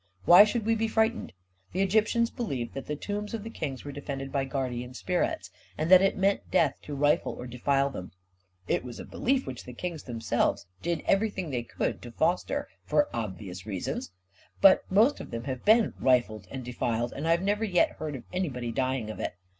Why should we be frightened? The Egyptians believed that the tombs of the kings were defended by guardian spir its, and that it meant death to rifle or defile them. It was a belief which the kings themselves did every ^ 1 230 A KING IN BABYLON thing they could to foster — for obvious reasons. But most of them have been rifled and defiled, and I never yet heard of anybody dying of it!